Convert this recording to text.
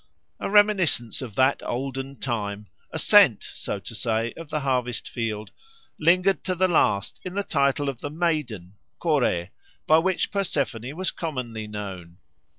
A reminiscence of that olden time a scent, so to say, of the harvest field lingered to the last in the title of the Maiden (Kore) by which Persephone was commonly known.